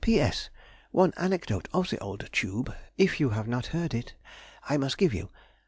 P.S.—One anecdote of the old tube (if you have not heard it) I must give you.